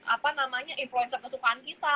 apa namanya influencer kesukaan kita